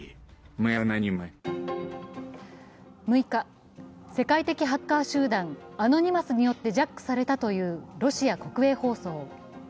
６日、世界的ハッカー集団アノニマスによってジャックされたというロシア国営放送。